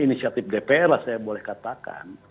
inisiatif dpr lah saya boleh katakan